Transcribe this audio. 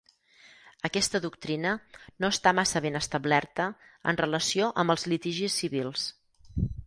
Aquesta doctrina no està massa ben establerta en relació amb els litigis civils.